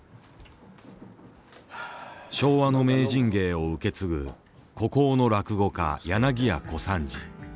昭和の名人芸を受け継ぐ孤高の落語家柳家小三治。